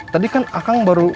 tadi kan akang baru